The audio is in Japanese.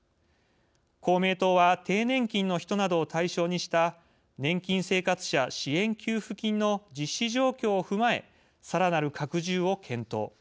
「公明党」は低年金の人などを対象にした年金生活者支援給付金の実施状況も踏まえさらなる拡充を検討。